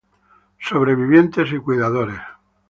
Sobrevivientes y cuidadores